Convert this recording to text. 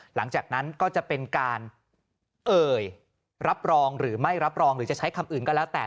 หลังจากนั้นก็จะเป็นการเอ่ยรับรองหรือไม่รับรองหรือจะใช้คำอื่นก็แล้วแต่